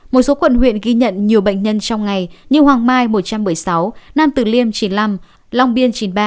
một số quận huyện ghi nhận nhiều bệnh nhân trong ngày như hoàng mai một trăm một mươi sáu nam tử liêm chín mươi năm long biên chín mươi ba